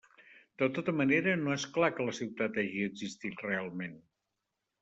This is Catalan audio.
De tota manera, no és clar que la ciutat hagi existit realment.